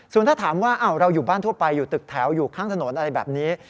ส่วนถ้าถามว่าเราอยู่บ้านทั่วไปอยู่ตึกแถวอยู่ข้างถนนอะไรแบบนี้